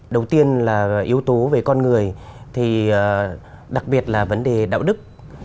đầu tiên là yếu tố về con người thì đặc biệt là vấn đề đạo đức